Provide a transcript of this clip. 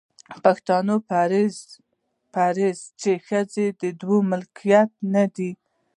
پښتانه پوهيږي، چې ښځې د دوی ملکيت نه دی